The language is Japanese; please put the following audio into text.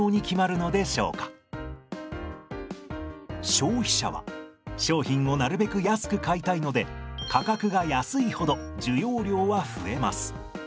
消費者は商品をなるべく安く買いたいので価格が安いほど需要量は増えます。